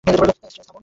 Strange, থামুন।